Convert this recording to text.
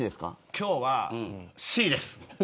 今日はＣです